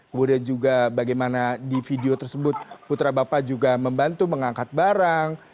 kemudian juga bagaimana di video tersebut putra bapak juga membantu mengangkat barang